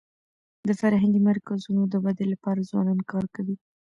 د فرهنګي مرکزونو د ودي لپاره ځوانان کار کوي.